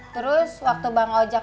terus waktu bang ojak